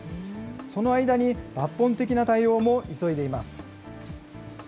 その間に、抜本的な対応も急いでいます。